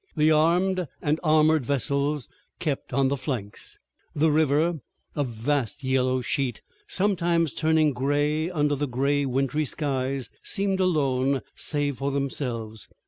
The armed and armored vessels kept on the flanks. The river, a vast yellow sheet, sometimes turning gray under the gray, wintry skies, seemed alone save for themselves.